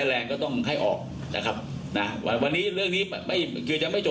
นะครับผมก็ต้องให้การว่าเขาให้การว่าเขาให้การขัดแย้งข้อเรียกจริงนะครับ